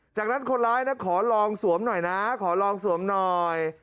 จากนั้นคนร้ายนะขอลองสวมหน่อยนะขอลองสวมหน่อย